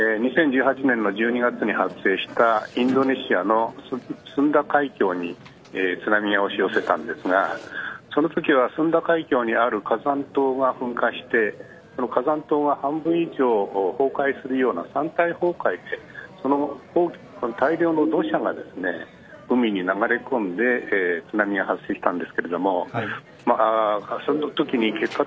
２０１８年の１２月に発生したインドネシアのスンダ海峡に津波が押し寄せたんですがそのときはスンダ海峡にある火山島が噴火して火山島が半分以上崩壊するような山体崩壊というそこで大量の土砂が海に流れ込んで津波が発生しました。